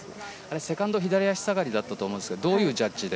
セカンドは左足下がりだったと思うんですがどういうジャッジで？